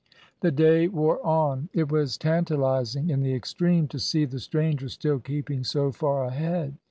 The day wore on; it was tantalising in the extreme to see the stranger still keeping so far ahead.